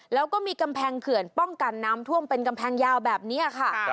แล้วก็มีกำแพงเขื่อนป้องกันน้ำท่วมเป็นกำแพงยาวแบบนี้ค่ะ